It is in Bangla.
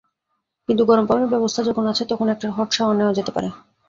কিন্তু গরম পানির ব্যবস্থা যখন আছে, তখন একটা হট শাওয়ার নেয়া যেতে পারে।